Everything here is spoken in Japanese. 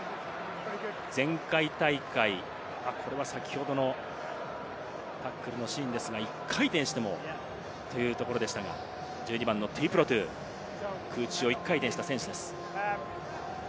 これは先ほどのタックルのシーンですが、１回転してというところでしたが、トゥイプロトゥ、空中を１回転した選手です。